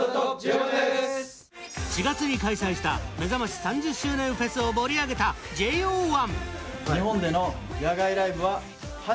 ４月に開催しためざまし３０周年フェスを盛り上げたＪＯ１。